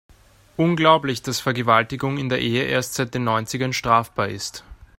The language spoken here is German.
Unglaublich, dass Vergewaltigung in der Ehe erst seit den Neunzigern strafbar ist.